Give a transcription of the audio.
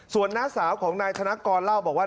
ส่วนน้าสาวของนายธนกรว่า